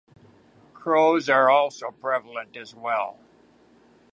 Crows are also prevalent as well.